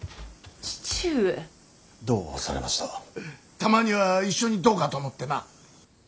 たまには一緒にどうかと思ってな。